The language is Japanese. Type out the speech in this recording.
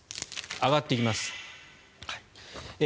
上がってきます。